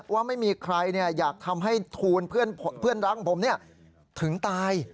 ว่าไม่มีใครอยากทำให้ทูลเพื่อนรักของผมถึงตาย